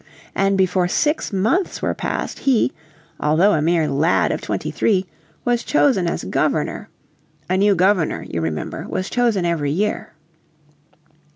And before six months were passed he, although a mere lad of twenty three, was chosen as Governor. A new Governor, you remember, was chosen every year.